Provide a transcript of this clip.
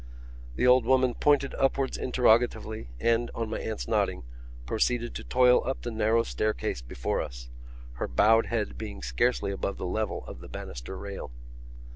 The old woman pointed upwards interrogatively and, on my aunt's nodding, proceeded to toil up the narrow staircase before us, her bowed head being scarcely above the level of the banister rail.